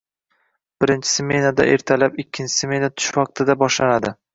Birinchi smena ertalab, ikkinchi smena tush vaqtidada boshlanadi